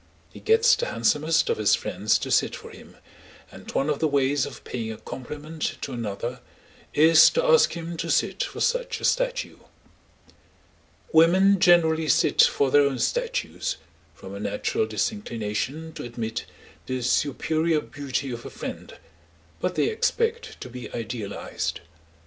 He gets the handsomest of his friends to sit for him, and one of the ways of paying a compliment to another is to ask him to sit for such a statue. Women generally sit for their own statues, from a natural disinclination to admit the superior beauty of a friend, but they expect to be idealised.